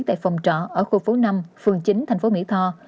tại phòng trọ ở khu phố năm phường chín thành phố mỹ tho